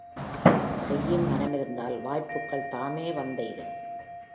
செய்யும் மனமிருந்தால் வாய்ப்புகள் தாமே வந்தெய்தும்.